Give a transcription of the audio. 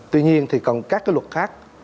tuy nhiên thì còn các cái luật khác